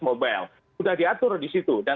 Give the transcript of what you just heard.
mobile sudah diatur di situ dan